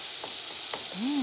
うん。